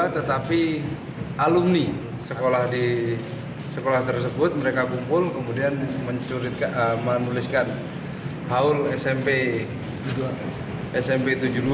tetapi alumni sekolah tersebut mereka kumpul kemudian menuliskan haul smp tujuh puluh dua